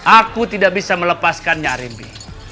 aku tidak bisa melepaskannya arim bi